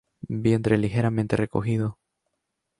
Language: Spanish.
Vientre ligeramente recogido.